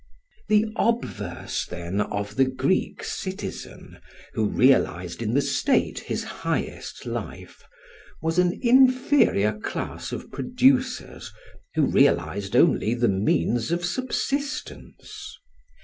The obverse then, of the Greek citizen, who realised in the state his highest life, was an inferior class of producers who realised only the means of subsistence.